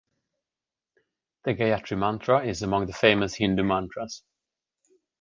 The Gayatri mantra is among the famous Hindu mantras.